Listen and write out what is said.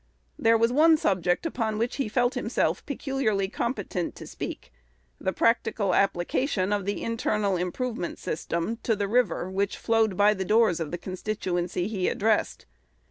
There was one subject upon which he felt himself peculiarly competent to speak, the practical application of the "internal improvement system" to the river which flowed by the doors of the constituency he addressed.